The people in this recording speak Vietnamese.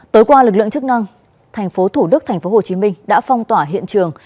tối qua lực lượng chức năng tp thủ đức tp hcm đã phong tỏa hiện trường